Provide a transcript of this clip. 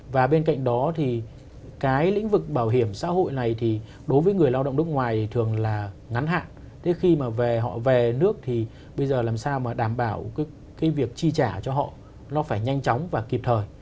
và bên cạnh đó thì cái lĩnh vực bảo hiểm xã hội này thì đối với người lao động nước ngoài thường là ngắn hạn thế khi mà về họ về nước thì bây giờ làm sao mà đảm bảo cái việc chi trả cho họ nó phải nhanh chóng và kịp thời